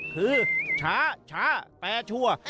คือช้าแต่ชัวร์